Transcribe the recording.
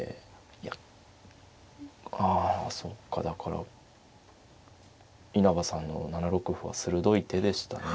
いやあそっかだから稲葉さんの７六歩は鋭い手でしたね。